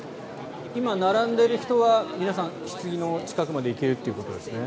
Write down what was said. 今、並んでいる人は皆さん、ひつぎの近くまで行けるということですね。